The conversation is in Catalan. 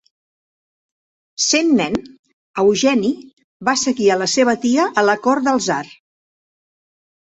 Sent nen, Eugeni va seguir a la seva tia a la cort del tsar.